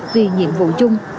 vì nhiệm vụ chung